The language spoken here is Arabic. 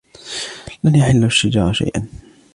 لن يحل الشجار شيئاً.